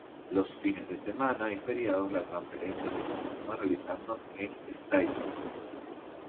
Los fines de semana y feriados, la transferencia se continúa realizando en Estácio.